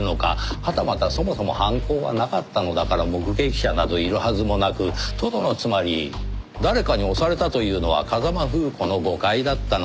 はたまたそもそも犯行はなかったのだから目撃者などいるはずもなくとどのつまり誰かに押されたというのは風間楓子の誤解だったのか。